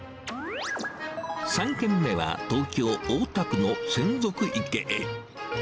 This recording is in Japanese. ３軒目は、東京・大田区の洗足池へ。